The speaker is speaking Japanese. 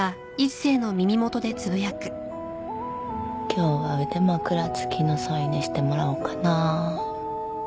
今日は腕枕付きの添い寝してもらおうかなあ。